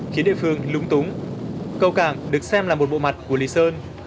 khiến địa phương lúng túng cầu cảng được xem là một bộ mặt của lý sơn